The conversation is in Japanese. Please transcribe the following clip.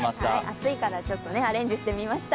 暑いからちょっとアレンジしてみました。